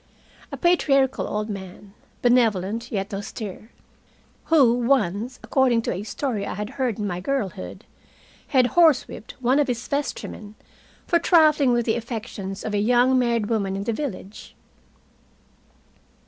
A patriarchal old man, benevolent yet austere, who once, according to a story I had heard in my girlhood, had horsewhipped one of his vestrymen for trifling with the affections of a young married woman in the village!